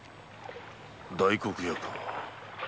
大黒屋か。